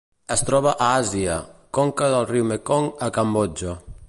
Es troba a Àsia: conca del riu Mekong a Cambodja.